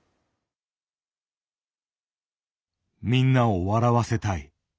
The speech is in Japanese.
「みんなを笑わせたい」。